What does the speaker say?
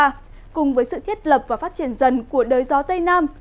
và ngày hai mươi ba cùng với sự thiết lập và phát triển dần của đới gió tây nam